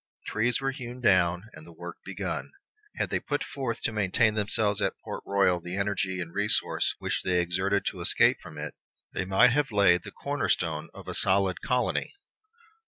Trees were hewn down and the work begun. Had they put forth to maintain themselves at Port Royal the energy and resource which they exerted to escape from it, they might have laid the cornerstone of a solid colony.